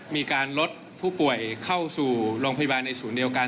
มีการลดผู้ป่วยเข้าสู่โรงพยาบาลในศูนย์เดียวกัน